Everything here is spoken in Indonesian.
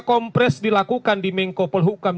kompres dilakukan di mengko peluhukam